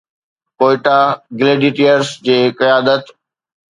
Quetta Gladiators جي قيادت